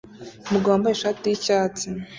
Umugabo wambaye ishati yicyatsi